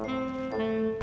kamu mau ke rumah